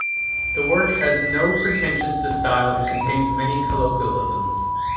The work has no pretensions to style, and contains many colloquialisms.